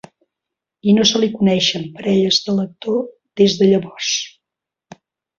I no se li coneixen parelles de l'actor des de llavors.